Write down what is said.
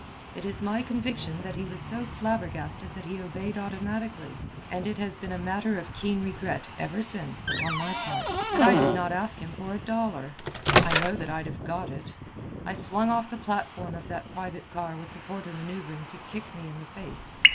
It is my conviction that he was so flabbergasted that he obeyed automatically, and it has been a matter of keen regret ever since, on my part, that I didn't ask him for a dollar. I know that I'd have got it. I swung off the platform of that private car with the porter manoeuvring to kick me in the face.